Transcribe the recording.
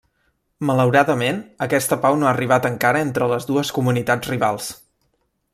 Malauradament, aquesta pau no ha arribat encara entre les dues comunitats rivals.